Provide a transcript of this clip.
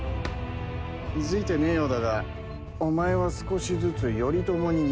気付いてねえようだがお前は少しずつ頼朝に似てきているぜ。